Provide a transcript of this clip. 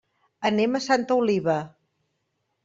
Anem a Santa Oliva.